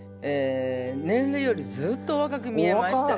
年齢よりずっとおわかく見えまして。